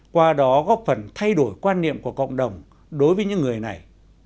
qua đó góp phần thay đổi quan niệm của cộng đồng đối với những người này